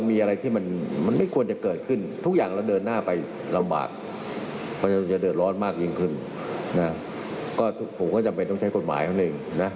มันมากยิ่งขึ้นผมก็จำเป็นต้องใช้กฎหมายเขาเองนะ